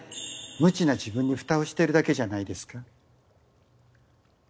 無知な自分にふたをしてるだけじゃないですか？